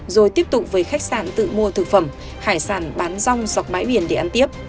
rồi tiếp tục với khách sạn tự mua thực phẩm hải sản bán rong dọc bãi biển để ăn tiếp